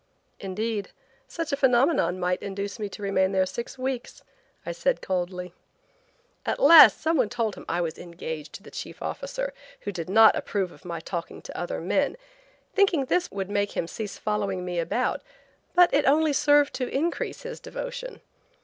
"Indeed, such a phenomenon might induce me to remain there six weeks," I said coldly. At last some one told him I was engaged to the chief officer, who did not approve of my talking to other men, thinking this would make him cease following me about, but it only served to increase his devotion.